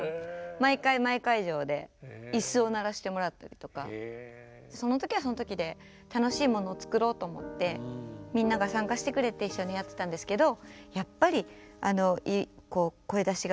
毎回毎会場で椅子を鳴らしてもらったりとかその時はその時で楽しいものを作ろうと思ってみんなが参加してくれて一緒にやってたんですけど。